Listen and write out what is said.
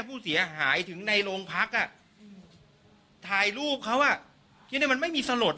ผู้เสียหายถึงในโรงพักอ่ะอืมถ่ายรูปเขาอ่ะคิดได้มันไม่มีสลด